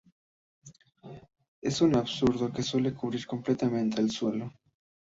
Es un arbusto que suele cubrir completamente el suelo.